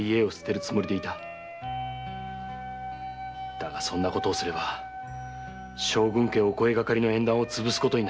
だがそんなことをすれば将軍家お声がかりの縁談をつぶすことに。